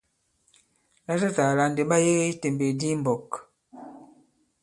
Latatàla ndi ɓa yege i tèmbèk di i mɓɔ̄k.